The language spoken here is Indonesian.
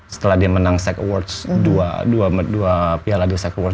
setelah dia menang dua piala di sec awards